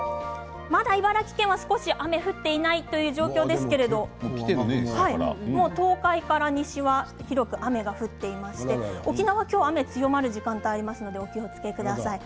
まだ茨城県が雨が降っていないという状況ですけれどももう東海から西は広く雨が降っていまして沖縄は今日、雨が強まる時間帯がありますのでお気をつけください。